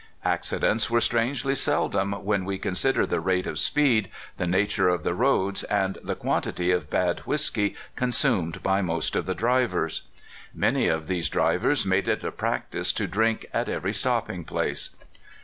Accidents were strangely seldom when we consider the rate of speed, the nature of the roads, and the quanti ty of bad whisky consumed by most of the driv ers. Many of these drivers made it a practice to drink at every stopping place.